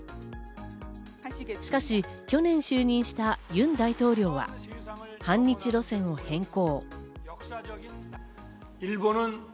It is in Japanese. しかし、去年就任したユン大統領は反日路線を変更。